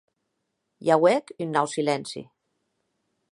I auec un nau silenci.